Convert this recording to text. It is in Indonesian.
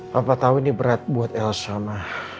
papa tahu ini berat buat elsa ma